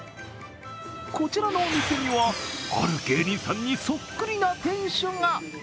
こちらのお店には、ある芸人さんにそっくりな店主が。